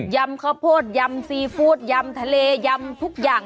ำข้าวโพดยำซีฟู้ดยำทะเลยำทุกอย่าง